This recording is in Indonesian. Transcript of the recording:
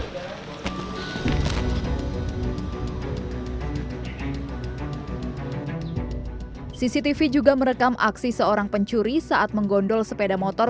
hai cctv juga merekam aksi seorang pencuri saat menggondol sepeda motor